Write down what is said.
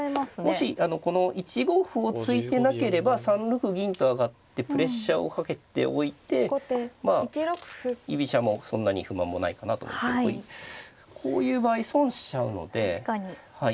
もしこの１五歩を突いてなければ３六銀と上がってプレッシャーをかけておいてまあ居飛車もそんなに不満もないかなと思うんですけどこういう場合損しちゃうのではいなので。